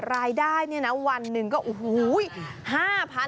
รายได้เนี่ยนะวันหนึ่งก็โอ้โห